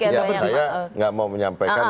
ya saya nggak mau menyampaikan